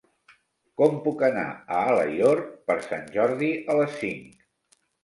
Com puc anar a Alaior per Sant Jordi a les cinc?